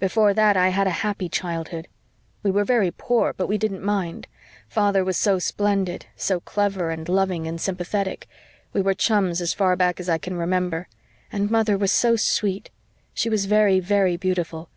Before that I had a happy childhood. We were very poor but we didn't mind. Father was so splendid so clever and loving and sympathetic. We were chums as far back as I can remember. And mother was so sweet. She was very, very beautiful.